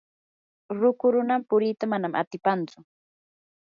ruku runa purita manam atipanchu.